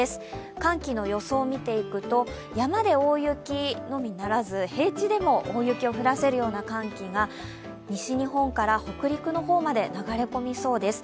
寒気の予想を見ていくと山で大雪のみならず平地でも大雪を降らせるような寒気が西日本から北陸の方まで流れ込みそうです。